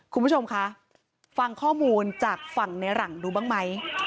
คุณผู้ชมคะฟังข้อมูลจากฝั่งในหลังดูบ้างไหม